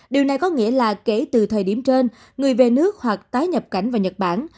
điều này có nghĩa là kể từ thời điểm trên người về nước hoặc tái nhập cảnh vào nhật bản